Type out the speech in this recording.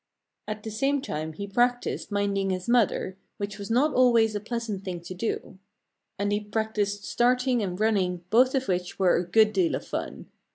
At the same time he practiced minding his mother, which was not always a pleasant thing to do. And he practiced starting and running, both of which were a good deal of fun.